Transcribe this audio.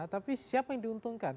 tapi siapa yang diuntungkan